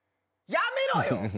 やめろよ。